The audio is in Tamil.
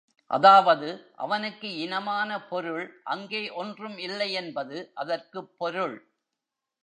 அதாவது அவனுக்கு இனமான பொருள் அங்கே ஒன்றும் இல்லை என்பது அதற்குப் பொருள்.